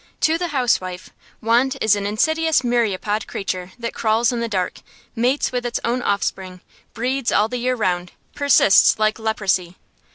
To the housewife, want is an insidious myriapod creature that crawls in the dark, mates with its own offspring, breeds all the year round, persists like leprosy.